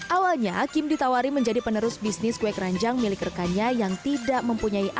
awalnya kim ditawari menjadi penerus bisnis kue keranjang milik rekannya yang tidak mempunyai anak